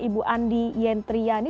ibu andi yentriani